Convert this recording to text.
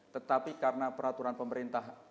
tetapi karena peraturan pemerintah